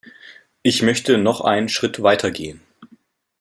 Ich möchte noch einen Schritt weitergehen.